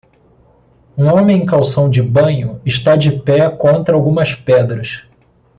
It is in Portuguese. Um homem em calção de banho está de pé contra algumas pedras.